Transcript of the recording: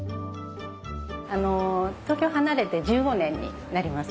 東京離れて１５年になります。